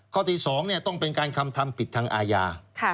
ข้อที่๒ต้องเป็นการคำทำผิดทางอาญา